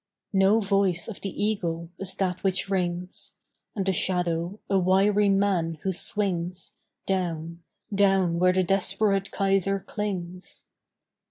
No voice of the eagle is that which rings! And the shadow, a wiry man who swings Down, down where the desperate Kaiser clings.